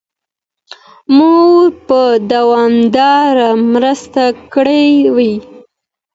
مور به دوامداره مرسته کړې وي.